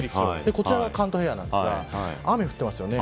こちらは関東平野なんですが雨降っていますよね。